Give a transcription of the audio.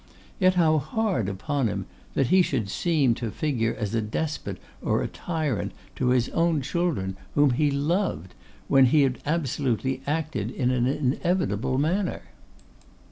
Yet how hard upon him that he should seem to figure as a despot or a tyrant to his own children, whom he loved, when he had absolutely acted in an inevitable manner!